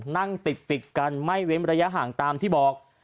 นั่งติดกันไม่เว้นระยะห่างตามที่บอก